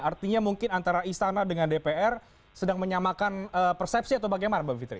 artinya mungkin antara istana dengan dpr sedang menyamakan persepsi atau bagaimana mbak fitri